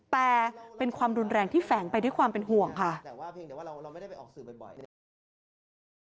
แต่เป็นความรุนแรงที่แฝงไปด้วยความเป็นห่วงค่ะ